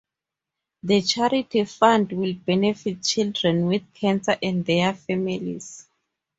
The charity fund will benefit children with cancer and their families.